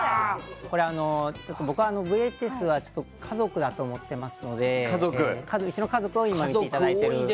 これ、僕はＶＨＳは家族だと思っていますのでうちの家族を今、見ていただいています。